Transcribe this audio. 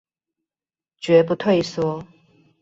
絕不退縮